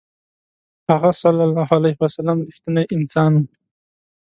هغه ﷺ رښتینی انسان و.